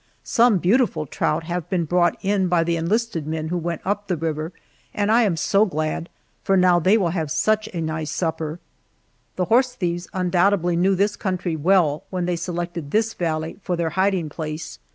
Some beautiful trout have been brought in by the enlisted men who went up the river, and I am so glad, for now they will have such a nice supper. The horse thieves undoubtedly knew this country well, when they selected this valley for their hiding place.